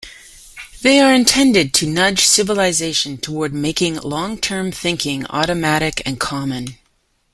They are intended to "nudge civilization toward making long-term thinking automatic and common".